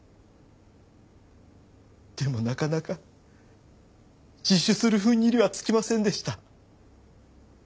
でもなかなか自首する踏ん切りはつきませんでした。